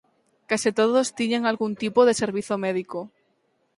Case todos tiñan algún tipo de servizo médico.